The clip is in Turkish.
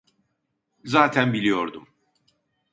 Zaten biliyordum.